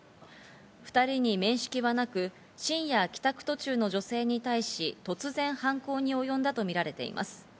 ２人に面識はなく、深夜、帰宅途中の女性に対し突然、犯行におよんだとみられています。